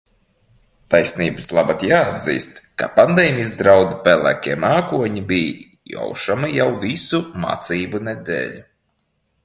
Taisnības labad jāatzīst, ka pandēmijas draudu pelēkie mākoņi bija jaušami jau visu mācību nedēļu.